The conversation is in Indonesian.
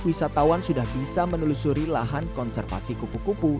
wisatawan sudah bisa menelusuri lahan konservasi kupu kupu